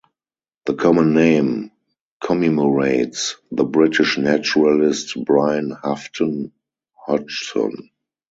The common name commemorates the British naturalist Brian Houghton Hodgson.